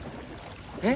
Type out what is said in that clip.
えっ？